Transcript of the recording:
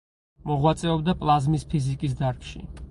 მოღვაწეობდა პლაზმის ფიზიკის დარგში.